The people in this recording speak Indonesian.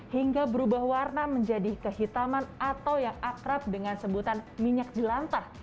hingga berubah warna menjadi kehitaman atau yang akrab dengan sebutan minyak jelantah